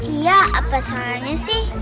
iya apa salahnya sih